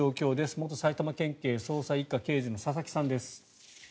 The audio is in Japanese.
元埼玉県警捜査１課刑事の佐々木さんです。